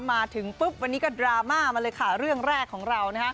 มาถึงปุ๊บวันนี้ก็ดราม่ามาเลยค่ะเรื่องแรกของเรา